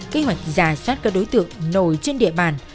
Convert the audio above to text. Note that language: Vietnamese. kế hoạch giả sát các đối tượng nổi trên địa bàn